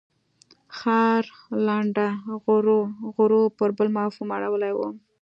ښار لنډه غرو پر بل مفهوم اړولې وه.